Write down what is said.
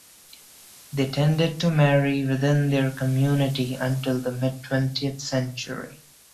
They tended to marry within their community until the mid-twentieth century.